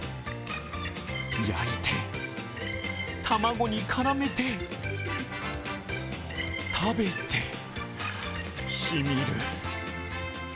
焼いて、卵に絡めて食べて、しみる。